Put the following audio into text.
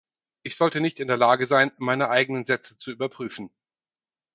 Ich sollte nicht in der Lage sein, meine eigenen Sätze zu Überprüfen.